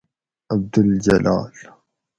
عبدالجلال